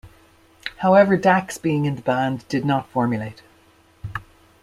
However, Dax being in the band did not formulate.